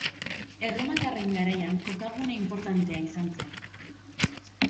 Erromatarren garaian, kokagune inportantea izan zen.